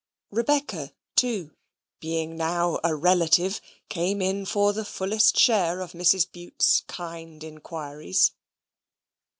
Rebecca, too, being now a relative, came in for the fullest share of Mrs. Bute's kind inquiries.